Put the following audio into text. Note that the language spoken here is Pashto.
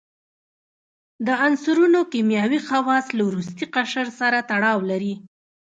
د عنصرونو کیمیاوي خواص له وروستي قشر سره تړاو لري.